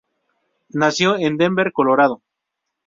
Nació en Denver, Colorado.